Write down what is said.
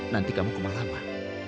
nanti kamu ke malama